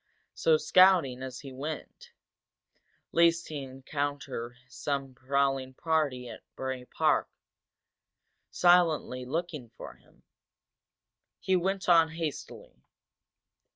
So, scouting as he went, least he encounter some prowling party from Bray Park silently looking for him, he went on hastily.